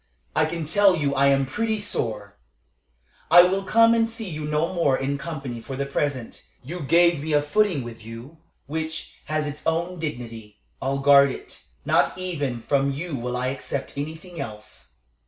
I can tell you I am pretty sore. "I will come and see you no more in company for the present. You gave me a footing with you, which has its own dignity. I'll guard it; not even from you will I accept anything else.